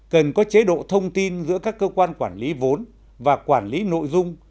cần có chế độ thông tin giữa các cơ quan quản lý vốn và quản lý nội dung